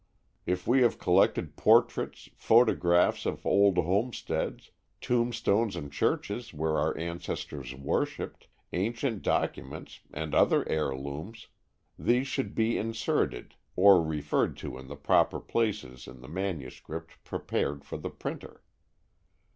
If we have collected portraits, photographs of old homesteads, tombstones and churches where our ancestors worshipped, ancient documents and other heirlooms, these should be inserted or referred to in the proper places in the manuscript prepared for the printer.